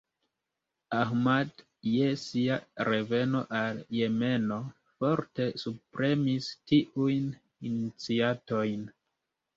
Ahmad je sia reveno al Jemeno forte subpremis tiujn iniciatojn.